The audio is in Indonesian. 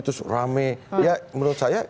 terus rame ya menurut saya